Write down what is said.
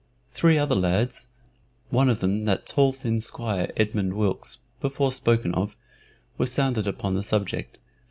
Three other lads one of them that tall thin squire Edmund Wilkes, before spoken of were sounded upon the subject.